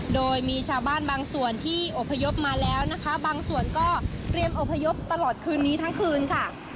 โดยมีชาวบ้านบางส่วนที่อบพยพมาแล้วนะคะบางส่วนก็เตรียมอพยพตลอดคืนนี้ทั้งคืนค่ะ